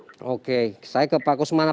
prof oke saya ke pak kusumana